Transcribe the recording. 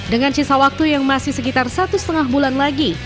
dengan sisa waktu yang masih sekitar satu setengah bulan lagi